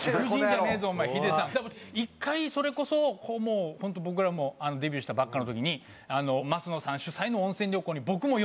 １回それこそ本当僕らもデビューしたばっかりの時に升野さん主催の温泉旅行に僕も呼んでもらったんです。